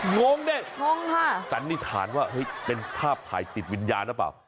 งงดิงงค่ะสันนิษฐานว่าเฮ้ยเป็นภาพถ่ายติดวิญญาณหรือเปล่า